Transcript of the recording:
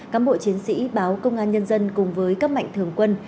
cám bộ chiến sĩ báo công an nhân dân cùng với các mạnh thường quân